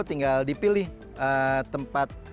tinggal dipilih tempat